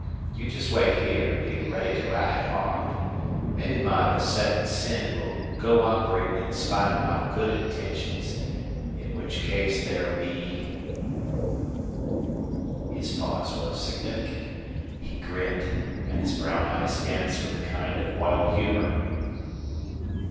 You jest wait here an' be ready to ride hard. Mebbe my besettin' sin will go operatin' in spite of my good intentions. In which case there'll be " His pause was significant. He grinned, and his brown eyes danced with a kind of wild humor.